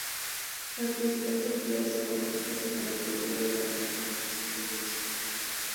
Las principales actividades económicas son: agricultura, ganadería, comercio y servicios.